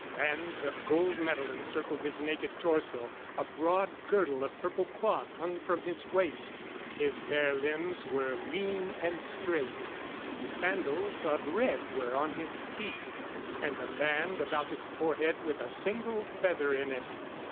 Bands of gold metal encircled his naked torso; a broad girdle of purple cloth hung from his waist. His bare limbs were lean and straight; sandals of red were on his feet. And a band about his forehead with a single feather in it.